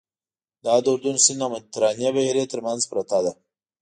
دا د اردن سیند او مدیترانې بحیرې تر منځ پرته ده.